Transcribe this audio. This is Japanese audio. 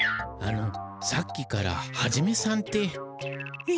あのさっきからハジメさんって？